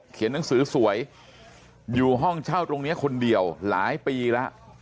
หนังสือสวยอยู่ห้องเช่าตรงนี้คนเดียวหลายปีแล้ว